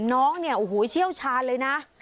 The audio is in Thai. น้องเนี่ยโอ้โหเชี่ยวชาญเลยนะ